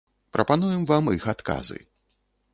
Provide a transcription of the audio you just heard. Прапануем вам іх адказы.